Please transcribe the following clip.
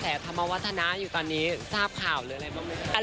แบบขวากระแสธรรมวัฒนาอยู่ตอนนี้ทราบขาวหรืออะไรบ้าง